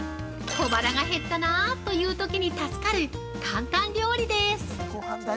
小腹が減ったなというときに助かる簡単料理です！